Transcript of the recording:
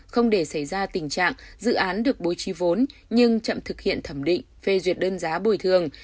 không để xảy ra tình trạng dự án được bố trí vốn nhưng chậm thực hiện thẩm định phê duyệt đơn giá bồi thường